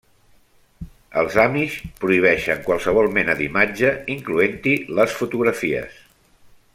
Els Amish prohibeixen qualsevol mena d'imatge, incloent-hi les fotografies.